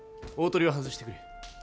大鳥は外してくれ。